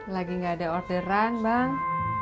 lagi gak ada orderan bang